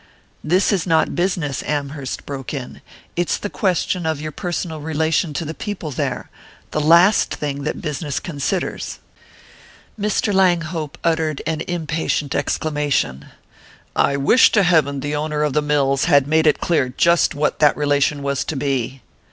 "This is not business," Amherst broke in. "It's the question of your personal relation to the people there the last thing that business considers." Mr. Langhope uttered an impatient exclamation. "I wish to heaven the owner of the mills had made it clear just what that relation was to be!"